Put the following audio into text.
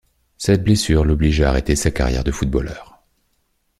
Cette blessure l'oblige à arrêter sa carrière de footballeur.